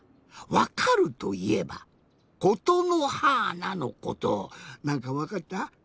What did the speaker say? わかるといえば「ことのはーな」のことなんかわかった？